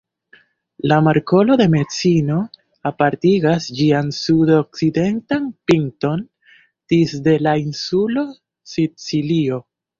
La markolo de Mesino apartigas ĝian sud-okcidentan pinton disde la insulo Sicilio.